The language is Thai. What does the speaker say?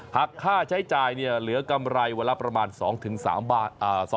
หากค่าใช้จ่ายเหลือกำไรวันละประมาณ๒๓บาท